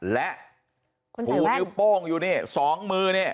และชูนิ้วโป้งอยู่นี่๒มือนี่